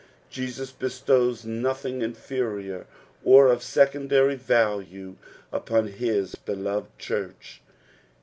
Jesns bestows nothioff inferior or of secondary value upon hu beloved church.